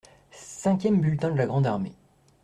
Cinquième bulletin de la grande armée.